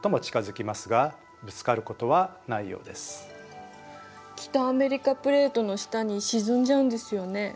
だから北アメリカプレートの下に沈んじゃうんですよね。